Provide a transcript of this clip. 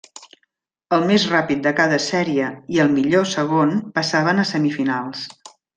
El més ràpid de cada sèrie i el millor segon passaven a semifinals.